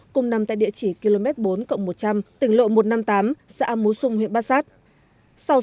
cùng nằm tại địa chỉ km bốn cộng một trăm linh tỉnh lộ một trăm năm mươi tám xã mú sung huyện bát giác